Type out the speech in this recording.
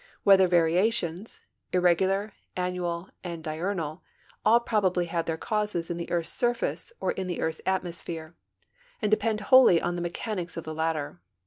Weather variations, irregular, annual, and diurnal, all probably have their causes at the earth's surface (»r in liu rartb's 76 STORMS AND WEATHER FORECASTS atmosphere, and depend wholly on the mechanics of the latter.